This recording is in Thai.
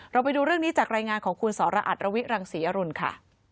ไปดูเรื่องนี้จากรายงานของคุณสรอัตรวิรังศรีอรุณค่ะ